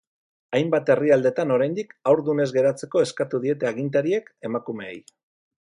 Hainbat herrialdetan, oraindik haurdun ez geratzeko eskatu diete agintariek emakumeei.